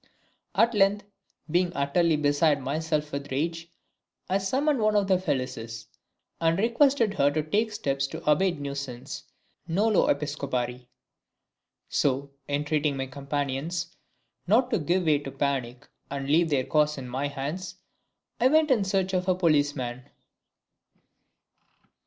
At length, being utterly beside myself with rage, I summoned one of the Phyllises and requested her to take steps to abate the nuisance, being met with a smiling "Nolo Episcopari." So, entreating my companions not to give way to panic and leave their cause in my hands, I went in search of a policeman.